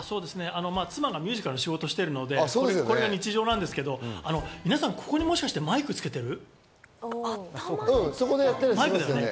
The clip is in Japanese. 妻がミュージカルの仕事をしてるので、これが日常なんですけど、皆さん、もしかして、ここにマイクつけてそこだよね。